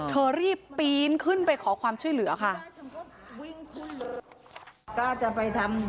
เธอรีบปีนขึ้นไปขอความช่วยเหลือค่ะ